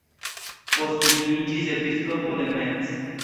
Poste li iĝis episkopo de Metz.